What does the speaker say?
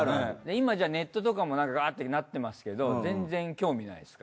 今ネットとかもガーッてなってますけど全然興味ないですか？